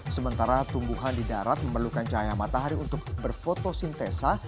sementara tumbuhan di darat memerlukan cahaya matahari untuk berfotosintesa